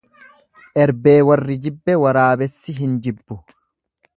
Erbee warri jibbe, waraabessi hin jibbu.